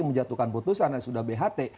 menjatuhkan putusan yang sudah bht